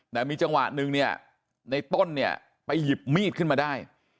แต่มีจังหวะหนึ่งเนี่ยในต้นเนี่ยไปหยิบมีดขึ้นมาได้